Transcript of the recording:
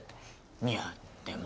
いやでも。